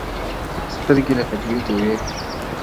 سترگي لكه دوې ډېوې؛